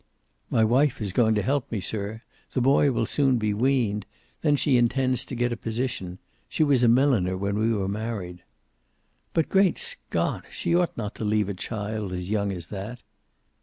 "My wife is going to help me, sir. The boy will soon be weaned. Then she intends to get a position. She was a milliner when we were married." "But Great Scott! She ought not to leave a child as young as that."